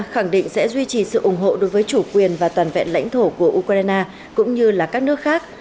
khẳng định sẽ duy trì sự ủng hộ đối với chủ quyền và toàn vẹn lãnh thổ của ukraine cũng như là các nước khác